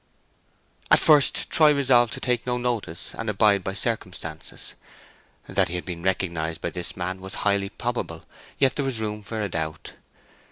At first Troy resolved to take no notice and abide by circumstances. That he had been recognized by this man was highly probable; yet there was room for a doubt.